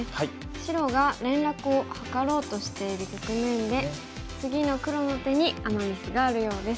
白が連絡を図ろうとしている局面で次の黒の手にアマ・ミスがあるようです。